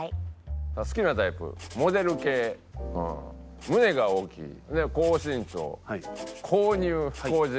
「好きなタイプモデル系胸が大きい高身長高乳高尻」